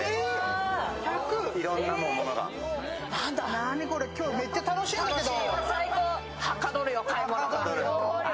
何これ、今日めっちゃ楽しいんだけど。